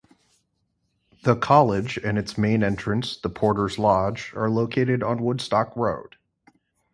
The college and its main entrance, the Porters' Lodge, are located on Woodstock Road.